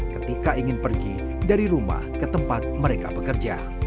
ketika ingin pergi dari rumah ke tempat mereka bekerja